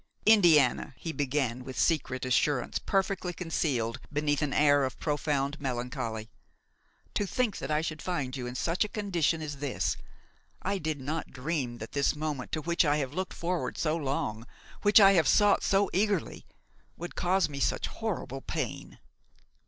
"Indiana!" he began, with secret assurance perfectly concealed beneath an air of profound melancholy, "to think that I should find you in such a condition as this! I did not dream that this moment to which I have looked forward so long, which I have sought so eagerly, would cause me such horrible pain!"